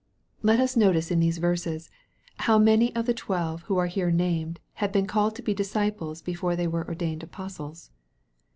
Let us notice in these verses, how many of the twelve who are here named, had been called to be disciples before they were ordained apostles.